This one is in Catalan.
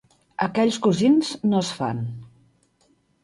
Aquells cosins no es fan.